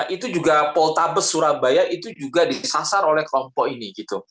dua ribu delapan belas itu juga poltabes surabaya itu juga disasar oleh kelompok ini